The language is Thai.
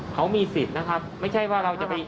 เขามีสิทธิ์นะครับไม่ใช่ว่าเราจะไป